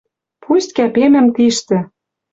Пусть кӓпемӹм тиштӹ